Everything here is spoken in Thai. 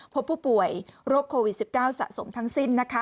พบผู้ป่วยโรคโควิด๑๙สะสมทั้งสิ้นนะคะ